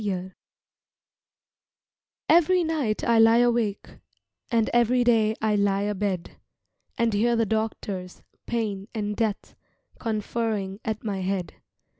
DOCTORS EVERY night I lie awake And every day I lie abed And hear the doctors, Pain and Death, Conferring at my head.